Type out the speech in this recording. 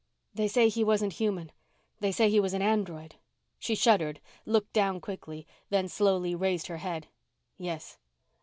"They say he wasn't human. They say he was an android." She shuddered, looked down quickly, then slowly raised her head. "Yes."